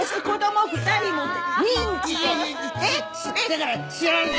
だから知らんて。